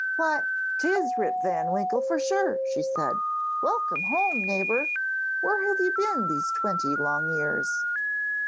'Why, 'tis Rip van Winkle, for sure!' said she. 'Welcome home, neighbour! Where have you been these twenty long years?'